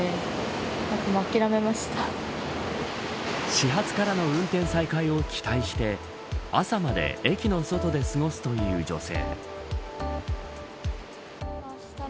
始発からの運転再開を期待して朝まで駅の外で過ごすという女性。